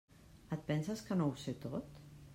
Et penses que no ho sé tot?